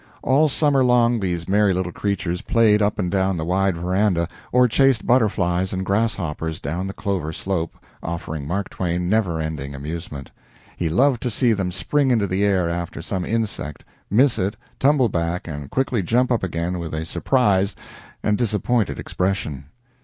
All summer long these merry little creatures played up and down the wide veranda, or chased butterflies and grasshoppers down the clover slope, offering Mark Twain never ending amusement. He loved to see them spring into the air after some insect, miss it, tumble back, and quickly jump up again with a surprised and disappointed expression.